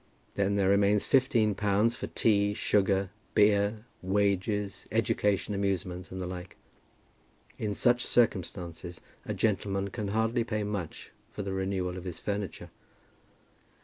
Then there remains fifteen pounds for tea, sugar, beer, wages, education, amusements, and the like. In such circumstances a gentleman can hardly pay much for the renewal of his furniture!